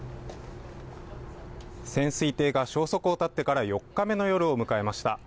潜水艇が消息を絶ってから４日目の夜を迎えました。